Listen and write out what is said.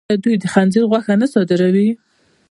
آیا دوی د خنزیر غوښه نه صادروي؟